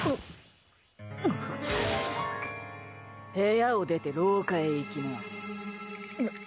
部屋を出て廊下へ行きな。